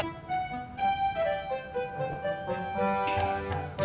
pak ngojak ini dia